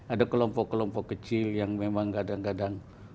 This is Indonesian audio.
ada kelompok kelompok kecil yang memang kadang kadang